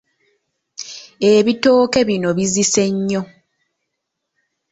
Ebitooke bino bizise nnyo.